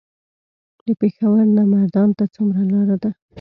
د پېښور نه مردان ته څومره لار ده؟